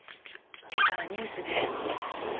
今朝ニュースで。